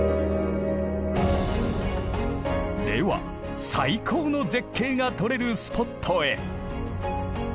では最高の絶景が撮れるスポットへ。